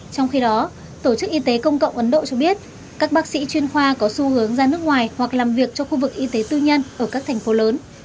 trong khi đó tổ chức y tế công cộng ấn độ cho biết các bác sĩ chuyên khoa có xu hướng ra nước ngoài hoặc làm việc trong khu vực y tế tư nhân ở các thành phố lớn